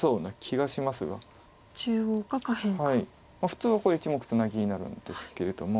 普通はこれ１目ツナギになるんですけれども。